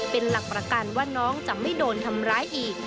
เป็นหลักประกันว่าน้องจะไม่โดนทำร้ายอีก